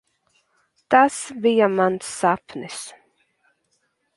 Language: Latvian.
Tas bija mans sapnis.